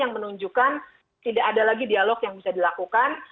yang menunjukkan tidak ada lagi dialog yang bisa dilakukan